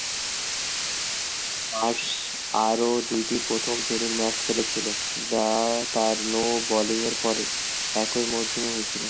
Marsh আরও দুটি প্রথম-শ্রেণীর ম্যাচ খেলেছিলেন, যা তাঁর নো-বোলিংয়ের পরে একই মরসুমে হয়েছিল।